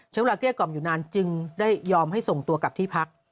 เกลี้ยกล่อมอยู่นานจึงได้ยอมให้ส่งตัวกลับที่พัก